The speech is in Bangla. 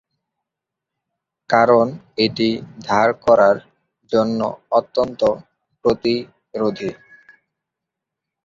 কারণ এটি ধার করার জন্য অত্যন্ত প্রতিরোধী।